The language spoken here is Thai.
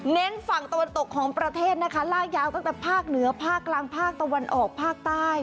ฝั่งตะวันตกของประเทศนะคะลากยาวตั้งแต่ภาคเหนือภาคกลางภาคตะวันออกภาคใต้